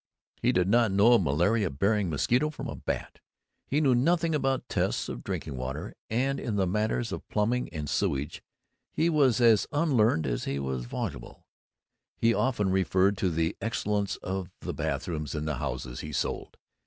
He did not know a malaria bearing mosquito from a bat; he knew nothing about tests of drinking water; and in the matters of plumbing and sewage he was as unlearned as he was voluble. He often referred to the excellence of the bathrooms in the houses he sold.